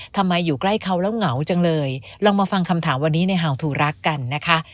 อยู่ใกล้เขาแล้วเหงาจังเลยลองมาฟังคำถามวันนี้ในเห่าทูรักกันนะคะ